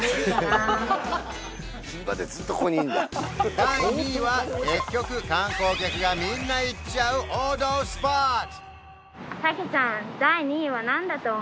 第２位は結局観光客がみんな行っちゃう王道スポット！